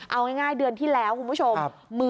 เอาง่ายเดือนที่แล้วคุณผู้ชม